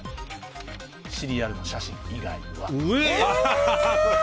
シリアルの写真以外は。